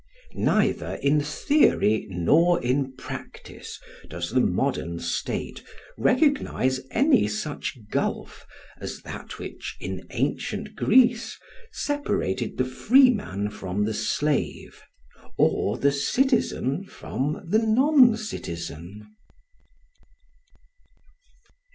Neither in theory nor in practice does the modern state recognise any such gulf as that which, in ancient Greece, separated the freeman from the slave, or the citizen from the non citizen.